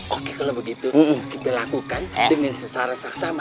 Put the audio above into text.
oke kalau begitu kita lakukan dengan sesara saksama